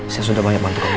saya sudah banyak bantu kamu